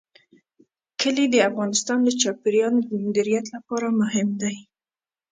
کلي د افغانستان د چاپیریال د مدیریت لپاره مهم دي.